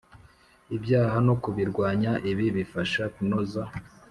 Ibyaha no kubirwanya ibi bifasha kunoza